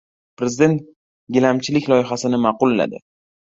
Prezident gilamchilik loyihasini ma’qulladi